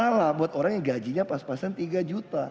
masalah buat orang yang gajinya pas pasan rp tiga